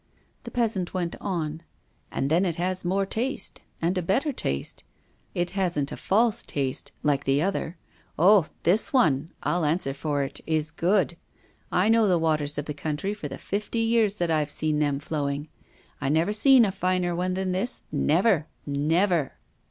The peasant went on: "And then it has more taste and a better taste; it hasn't a false taste, like the other. Oh! this one, I'll answer for it, is good! I know the waters of the country for the fifty years that I've seen them flowing. I never seen a finer one than this, never, never!"